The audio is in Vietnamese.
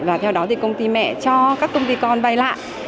và theo đó thì công ty mẹ cho các công ty con vay lại